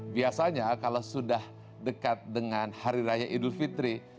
biasanya kalau sudah dekat dengan hari raya idul fitri